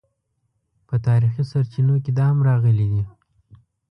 په تاریخي سرچینو کې دا هم راغلي دي.